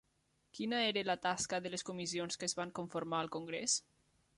Quina era la tasca de les comissions que es van conformar al congrés?